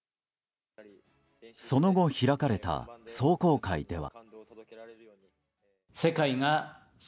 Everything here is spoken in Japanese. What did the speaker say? その後、開かれた壮行会では。